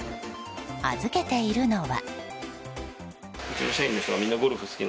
預けているのは。